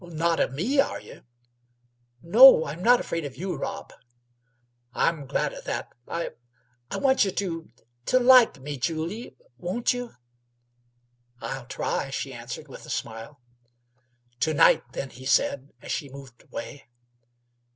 "Not of me, are yeh?" "No, I'm not afraid of you, Rob." "I'm glad o' that. I I want you to like me, Julyie; won't you?" "I'll try," she answered, with a smile. "To night, then," he said, as she moved away.